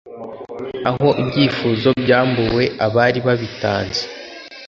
aho ibyifuzo byambuwe abari babitanze